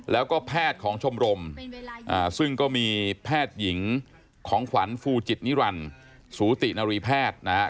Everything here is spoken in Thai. แล้วก็แพทย์ของชมรมซึ่งก็มีแพทย์หญิงของขวัญฟูจิตนิรันดิ์สูตินรีแพทย์นะครับ